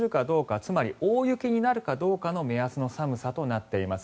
つまり大雪になるかどうかの目安の寒さとなっています。